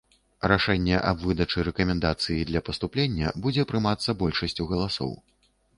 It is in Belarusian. Рашэнне аб выдачы рэкамендацыі для паступлення будзе прымацца большасцю галасоў.